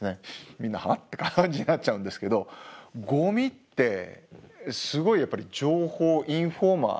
みんな「はっ？」って感じになっちゃうんですけどゴミってすごいやっぱり情報インフォーマティブなんですよ。